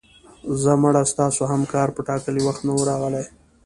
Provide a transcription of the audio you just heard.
ځه مړه ستاسو همکار په ټاکلي وخت نه و راغلی